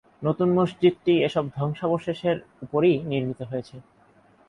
নতুন মসজিদটি এসব ধ্বংসাবশেষের উপরই নির্মিত হয়েছে।